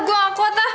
gue gak kuat lah